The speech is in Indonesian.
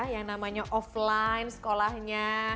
yang namanya offline sekolahnya